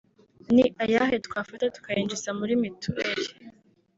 ni ayahe twafata tukayinjiza muri mituweli